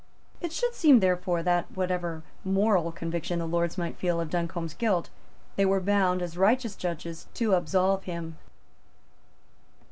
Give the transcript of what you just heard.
It should seem therefore that, whatever moral conviction the Lords might feel of Duncombe's guilt, they were bound, as righteous judges, to absolve him.